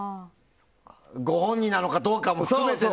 ご本人かどうかも含めてね。